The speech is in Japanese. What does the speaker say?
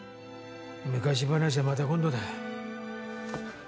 昔話はまた今度だ。